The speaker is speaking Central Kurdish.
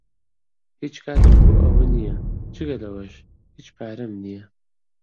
هیچ کاتم بۆ ئەوە نییە، جگە لەوەش، هیچ پارەم نییە.